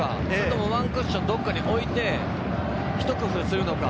ワンクッションどこかに置いて、ひと工夫するのか？